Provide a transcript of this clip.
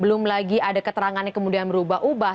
belum lagi ada keterangannya kemudian berubah ubah